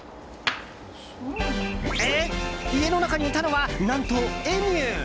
えっ、家の中にいたのは何とエミュー！